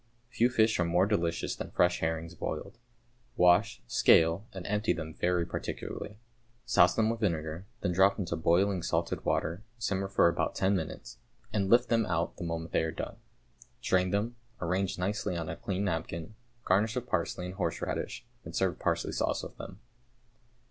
= Few fish are more delicious than fresh herrings boiled. Wash, scale, and empty them very particularly. Souse them with vinegar, then drop into boiling salted water, simmer for about ten minutes, and lift them out the moment they are done. Drain them, arrange nicely on a clean napkin, garnish with parsley and horseradish, and serve parsley sauce with them.